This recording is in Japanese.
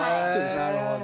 なるほど。